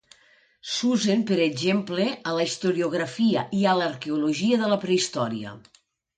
S'usen, per exemple, a la Historiografia i a l'Arqueologia de la Prehistòria.